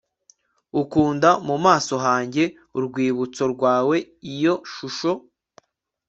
Ukunda mu maso hanjye urwibutso rwawe Iyo shusho